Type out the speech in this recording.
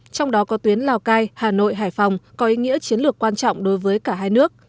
trong đó có tuyến lào cai hà nội hải phòng có ý nghĩa chiến lược quan trọng đối với cả hai nước